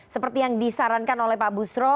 seperti yang disarankan oleh pak busro